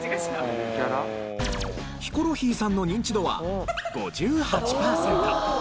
ヒコロヒーさんのニンチドは５８パーセント。